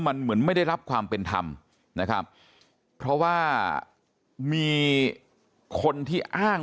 มันเหมือนไม่ได้รับความเป็นธรรมนะครับเพราะว่ามีคนที่อ้าง